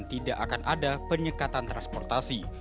tidak akan ada penyekatan transportasi